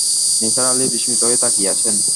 নিসার আলি বিস্মিত হয়ে তাকিয়ে আছেন।